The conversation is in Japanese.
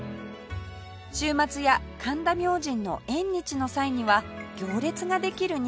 週末や神田明神の縁日の際には行列ができる人気ぶりです